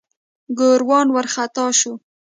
ګوروان وارخطا شو.